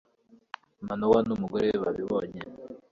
manowa n'umugore we babibonye